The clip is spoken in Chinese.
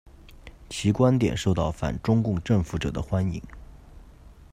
其观点受到反中共政府者的欢迎。